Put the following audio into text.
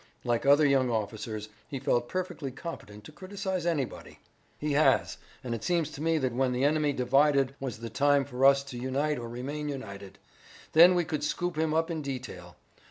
Like other young officers he felt perfectly competent to criticize anybody. "He has, and it seems to me that when the enemy divided was the time for us to unite or remain united. Then we could scoop him up in detail.